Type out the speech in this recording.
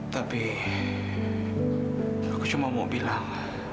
tapi aku cuma mau bilang